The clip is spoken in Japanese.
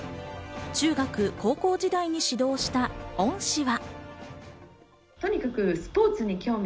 中学、高校時代に指導した恩師は。